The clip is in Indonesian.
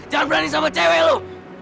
jangan berani sama cewe lo